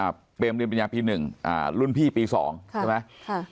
เปรมเรียนปริญญาปีหนึ่งอ่ารุ่นพี่ปีสองค่ะใช่ไหมค่ะ